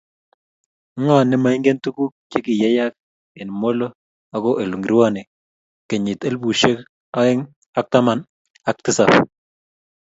ngo nemaingen tuguk chegiyeyak eng Molo ako olengumone kenyit elbushek aeng ak taman aktisap